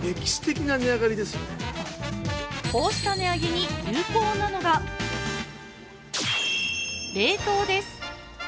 こうした値上げに有効なのは冷凍です。